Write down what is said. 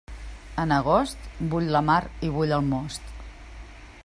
En agost, bull la mar i bull el most.